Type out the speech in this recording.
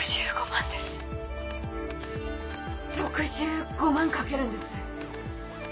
６５万かけるんです。